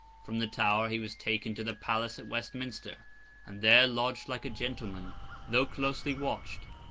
From the Tower, he was taken to the Palace at Westminster, and there lodged like a gentleman, though closely watched.